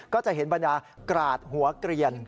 ก็จะเห็นบรรดากราดหัวเกลียน